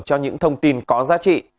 cho những thông tin có giá trị